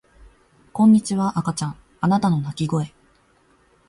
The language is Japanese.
こんにちは赤ちゃんあなたの泣き声